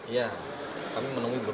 ya kami menemui berbagai